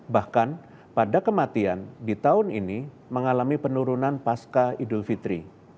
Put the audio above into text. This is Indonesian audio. bahkan pada kematian di tahun ini mengalami penurunan pasca idul fitri